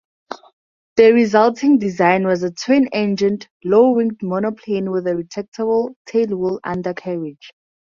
The resulting design was a twin-engined, low-winged monoplane with a retractable tailwheel undercarriage.